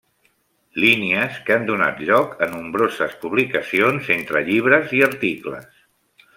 Línies que han donat lloc a nombroses publicacions entre llibres i articles.